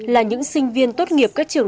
là những sinh viên tốt nghiệp các trường